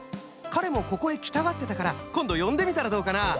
かれもここへきたがってたからこんどよんでみたらどうかな？